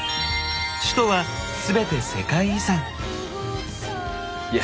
首都は全て世界遺産。